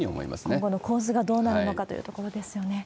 今後の構図がどうなるのかというところですよね。